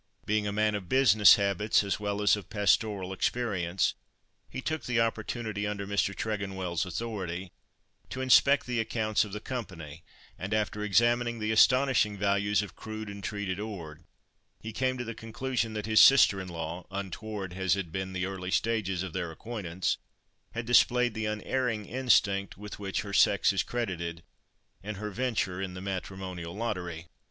Being a man of business habits, as well as of pastoral experience, he took the opportunity, under Mr. Tregonwell's authority, to inspect the accounts of the Company, and, after examining the astonishing values of crude and treated ore, he came to the conclusion that his sister in law (untoward as had been the early stages of their acquaintance) had displayed the unerring instinct with which her sex is credited in her venture in the matrimonial lottery.